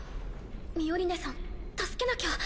ミオリネさん助けなきゃ。